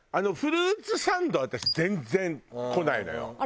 フルーツサンドは私全然こないのよ。